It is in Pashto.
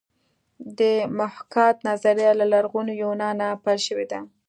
د محاکات نظریه له لرغوني یونانه پیل شوې ده